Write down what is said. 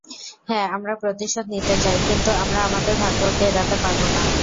হ্যাঁ, আমরা প্রতিশোধ নিতে চাই, কিন্তু আমরা আমাদের ভাগ্যকে এড়াতে পারবো না।